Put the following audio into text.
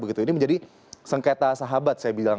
ini menjadi sengketa sahabat saya bisa katakan